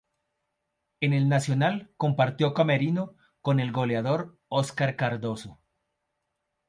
En el Nacional compartió camerino con el goleador Oscar Cardozo.